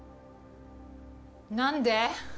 何で？